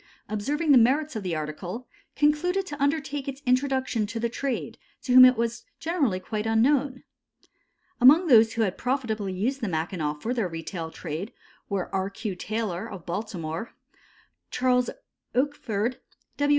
observing the merits of the article, concluded to undertake its introduction to the trade, to whom it was generally quite unknown. Among those who had used profitably the Mackinaw for their retail trade were R. Q. Taylor, of Baltimore, Charles Oakford, W.